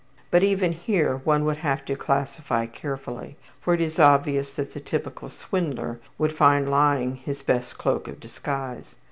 But even here one would have to classify carefully, for it is obvious that the typical swindler would find lying his best cloak of disguise.